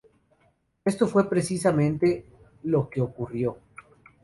Esto fue precisamente lo que ocurrió.